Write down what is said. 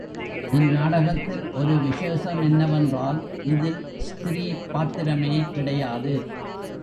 இந் நாடகத்தில் ஒரு விசேஷமென்ன வென்றால், இதில் ஸ்திரீ பாத்திரமே கிடையாது!